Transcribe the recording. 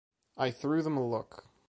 I threw them a look.